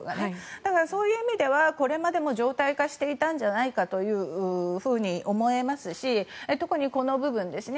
ですから、そういう意味ではこれまでも常態化していたんじゃないかと思えますし特にこの部分ですね。